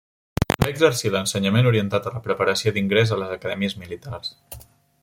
També exercí l'ensenyament orientat a la preparació d'ingrés a les acadèmies militars.